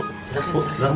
masih ada yang mau berbicara